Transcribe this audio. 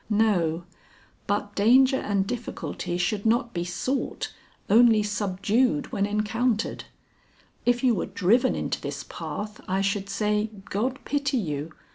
"No; but danger and difficulty should not be sought, only subdued when encountered. If you were driven into this path, I should say, 'God pity you!'